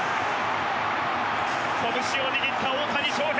拳を握った大谷翔平。